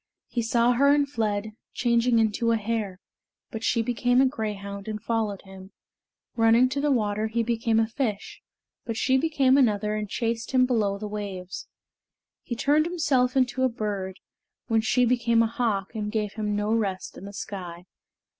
He saw her and fled, changing into a hare; but she became a greyhound and followed him. Running to the water, he became a fish; but she became another and chased him below the waves. He turned himself into a bird, when she became a hawk and gave him no rest in the sky.